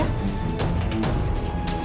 saya tanya sama raja